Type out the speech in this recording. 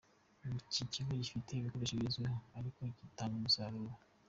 Iki kigo gifite ibikoresho bigezweho ariko bidatanga umusaruro.